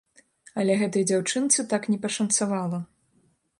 Але гэтай дзяўчынцы так не пашанцавала.